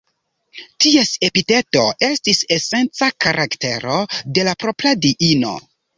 Ties epiteto estis esenca karaktero de la propra diino.